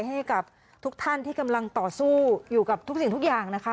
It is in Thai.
ให้กับทุกท่านที่กำลังต่อสู้อยู่กับทุกสิ่งทุกอย่างนะคะ